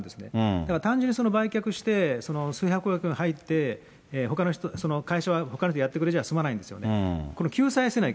だから単純に売却して、数百億円入って、会社はほかの人やってくれじゃすまないんですよ